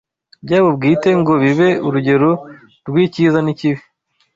byabo bwite ngo bibe urugero rw’icyiza n’ikibi